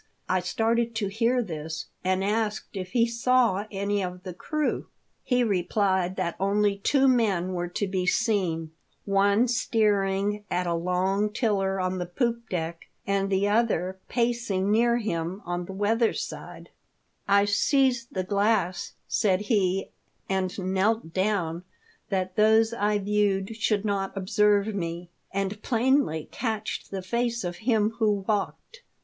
I started to hear this, and asked if he saw any of the crew. He replied that only two men were to be seen — one steering at a long tiller on the poop deck, and the other pacing near him on the weather side. ' I A TALK OF THE DEATH SHIP. 1 5 seized the glass,' said he, 'and knelt down, that those I viewed should not observe me, and plainly catched the face of him who walked.'